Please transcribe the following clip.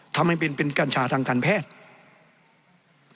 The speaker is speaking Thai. ทำให้เป็นกัญชาทางการแพทย์